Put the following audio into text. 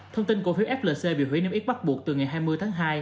thông tin cổ phiếu flc bị hủy niêm yết bắt buộc từ ngày hai mươi tháng hai